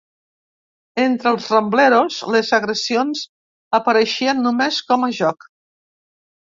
Entre els Rambleros, les agressions apareixien només com a joc.